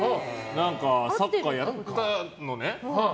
サッカーやったのね。